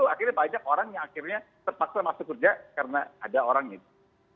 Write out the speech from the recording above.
akhirnya banyak orang yang akhirnya terpaksa masuk kerja karena ada orang gitu